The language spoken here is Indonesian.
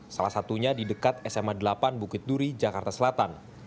salah satunya di dekat sma delapan bukit duri jakarta selatan